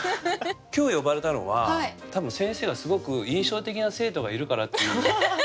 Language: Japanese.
今日呼ばれたのは多分先生がすごく印象的な生徒がいるからっていう。